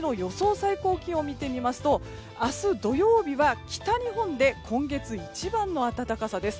最高気温を見てみますと明日、土曜日は北日本で今月一番の暖かさです。